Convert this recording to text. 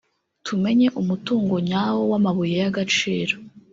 “Tumenye umutungo nyawo w’amabuye y’agaciro